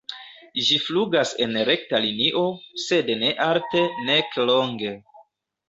Ĝi flugas en rekta linio, sed ne alte nek longe.